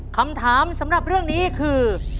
คำถามสำหรับเรื่องนี้คือ